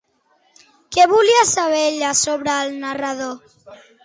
Què volia saber ella sobre el narrador?